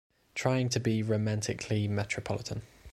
Trying to be romantically metropolitan.